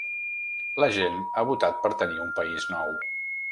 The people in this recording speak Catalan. La gent ha votat per tenir un país nou.